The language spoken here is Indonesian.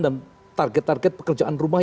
dan target target pekerjaan rumah